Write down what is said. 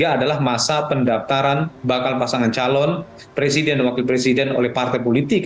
adalah masa pendaftaran bakal pasangan calon presiden dan wakil presiden oleh partai politik